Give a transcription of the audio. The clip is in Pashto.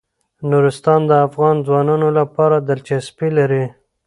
نورستان د افغان ځوانانو لپاره دلچسپي لري.